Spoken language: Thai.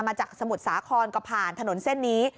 จากสมุทรสาครก็ผ่านถนนเส้นนี้